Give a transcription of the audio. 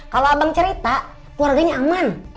kalau abang cerita keluarganya aman